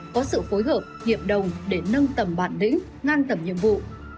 có sự phối hợp nghiệp đồng để nâng tầm bản đỉnh ngăn tầm nhiệm vụ